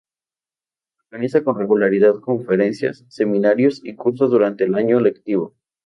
Organiza con regularidad conferencias, seminarios y cursos durante el año lectivo.